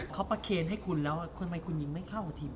เขาประเคนให้คุณแล้วทำไมคุณยิงไม่เข้าทีม